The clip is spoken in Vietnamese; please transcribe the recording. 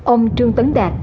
ông trương tấn đạt